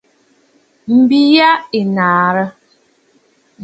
M̀bi ya ɨ nàʼàrə̀.